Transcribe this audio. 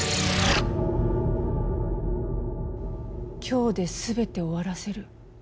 「今日で全てを終わらせる」。